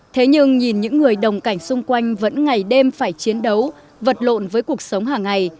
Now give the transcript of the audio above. thế nhưng nhìn những người đồng cảnh xung quanh vẫn ngày đêm phải chiến đấu vật lộn với cuộc sống hàng ngày